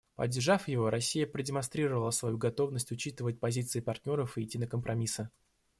Поддержав его, Россия продемонстрировала свою готовность учитывать позиции партнеров и идти на компромиссы.